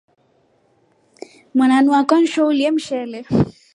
Wananu akwaa nshoo ulye mshele.